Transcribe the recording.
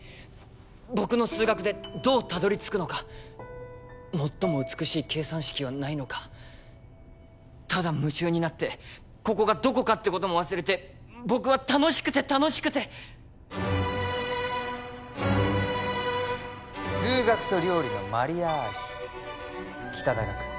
僕の数学でどうたどり着くのか最も美しい計算式はないのかただ夢中になってここがどこかってことも忘れて僕は楽しくて楽しくて数学と料理のマリアージュ北田岳